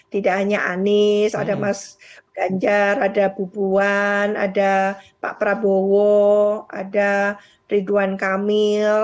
tidak hanya anies ada mas ganjar ada bubuan ada pak prabowo ada ridwan kamil